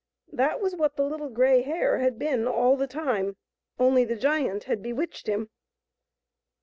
That was what the Little Grey Hare had been all the time, only the giant had bewitched him.